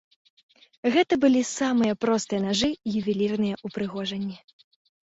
Гэта былі самыя простыя нажы і ювелірныя ўпрыгожанні.